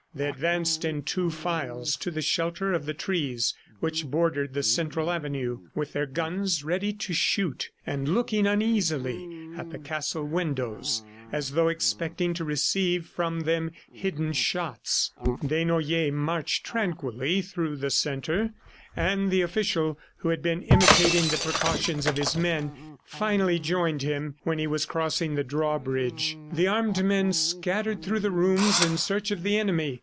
They advanced in two files to the shelter of the trees which bordered the central avenue, with their guns ready to shoot, and looking uneasily at the castle windows as though expecting to receive from them hidden shots. Desnoyers marched tranquilly through the centre, and the official, who had been imitating the precautions of his men, finally joined him when he was crossing the drawbridge. The armed men scattered through the rooms in search of the enemy.